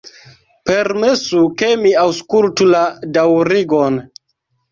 Permesu, ke mi aŭskultu la daŭrigon.